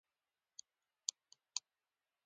د هډې ملاصاحب نظر بند او بل ځل بندي کړ.